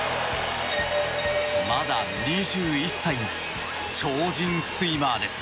まだ２１歳の超人スイマーです。